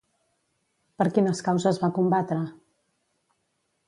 Per quines causes va combatre?